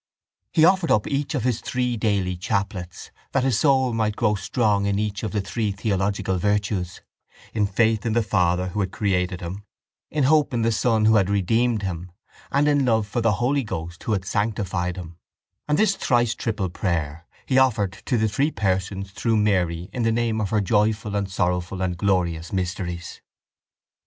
He offered up each of his three daily chaplets that his soul might grow strong in each of the three theological virtues, in faith in the Father Who had created him, in hope in the Son Who had redeemed him and in love of the Holy Ghost Who had sanctified him; and this thrice triple prayer he offered to the Three Persons through Mary in the name of her joyful and sorrowful and glorious mysteries.